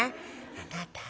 あなたぁ。